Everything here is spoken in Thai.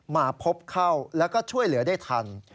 มาพบเข้าแล้วก็ช่วยเหลือได้ทัน